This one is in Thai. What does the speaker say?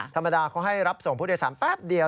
ธรรมดาเขาให้รับส่งผู้โดยสารแป๊บเดียว